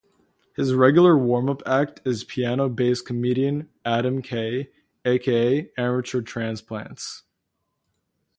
His regular warm-up act is piano-based comedian Adam Kay, aka Amateur Transplants.